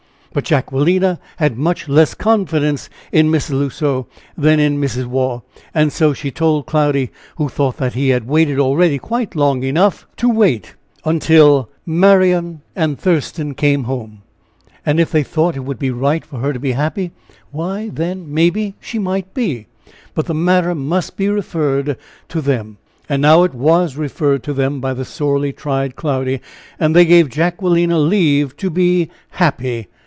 But Jacquelina had much less confidence in Mrs. L'Oiseau than in Mrs. Waugh; and so she told Cloudy, who thought that he had waited already quite long enough, to wait until Marian and Thurston came home, and if they thought it would be right for her to be happy why then maybe she might be! But the matter must be referred to them. And now it was referred to them, by the sorely tried Cloudy. And they gave Jacquelina leave to be "happy."